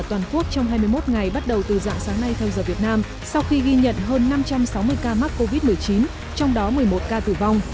toàn quốc trong hai mươi một ngày bắt đầu từ dạng sáng nay theo giờ việt nam sau khi ghi nhận hơn năm trăm sáu mươi ca mắc covid một mươi chín trong đó một mươi một ca tử vong